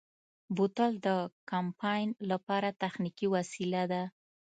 بوتل د کمپاین لپاره تخنیکي وسیله ده.